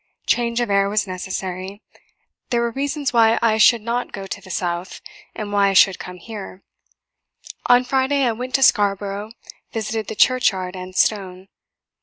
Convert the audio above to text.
Change of air was necessary; there were reasons why I should NOT go to the south, and why I should come here. On Friday I went to Scarborough, visited the churchyard and stone.